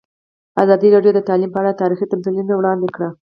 ازادي راډیو د تعلیم په اړه تاریخي تمثیلونه وړاندې کړي.